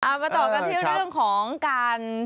มาต่อกันที่เรื่องของการ